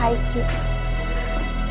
ayolah deh led